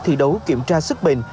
thị đấu kiểm tra sức bình